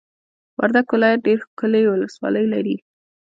وردګ ولایت ډېرې ښکلې ولسوالۍ لري!